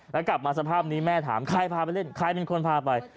แล้วกลับมาสภาพนี้แม่ถามใครพาไปเล่นใครเป็นคนพาไป